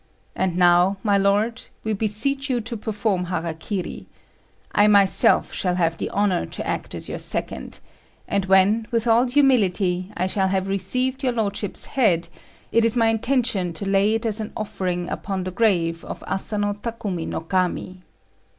And now, my lord, we beseech you to perform hara kiri. I myself shall have the honour to act as your second, and when, with all humility, I shall have received your lordship's head, it is my intention to lay it as an offering upon the grave of Asano Takumi no Kami."